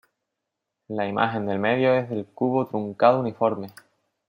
La imagen del medio es el cubo truncado uniforme.